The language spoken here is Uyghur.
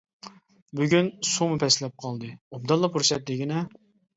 بۈگۈن سۇمۇ پەسلەپ قالدى، ئوبدانلا پۇرسەت دېگىنە!